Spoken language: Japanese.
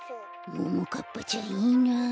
ももかっぱちゃんいいな。